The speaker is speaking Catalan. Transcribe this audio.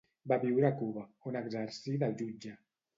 Va viure a Cuba, on exercí de jutge.